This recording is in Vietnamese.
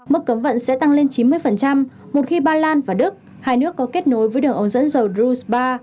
mức cấm vận sẽ tăng lên chín mươi một khi ba lan và đức hai nước có kết nối với đường ống dẫn dầu drus ba